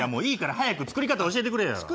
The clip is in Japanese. いいから早く作り方教えてくれよ。